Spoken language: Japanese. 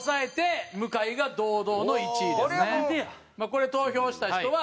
これ投票した人は。